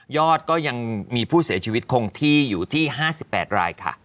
ยอดมีผู้เสียชีวิตคงที่๕๘ราย